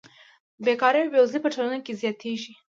بېکاري او بېوزلي په ټولنه کې زیاتېږي